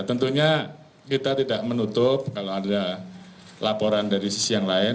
tentunya kita tidak menutup kalau ada laporan dari sisi yang lain